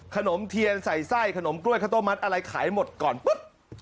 ขนมเทียนใส่ไส้ขนมกล้วยข้าวต้มมัดอะไรขายหมดก่อนปุ๊บ